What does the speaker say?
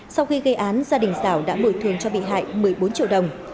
sau khi gây án gia đình xảo đã bồi thường cho bị hại một mươi bốn triệu đồng